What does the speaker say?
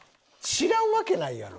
知らんわけないやろ。